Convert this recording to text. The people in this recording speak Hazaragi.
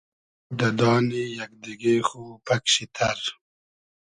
بود دۂ دانی یئگ دیگې خو پئگ شی تئر